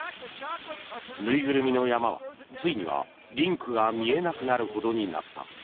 縫いぐるみの山はついにはリンクが見えなくなるほどになった。